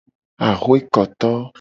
Axwekoto.